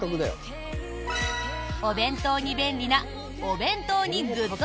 お弁当に便利なお弁当にＧｏｏｄ！